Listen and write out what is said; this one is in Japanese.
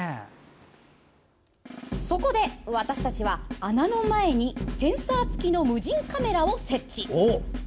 そこで、私たちは穴の前にセンサー付きの無人カメラを設置。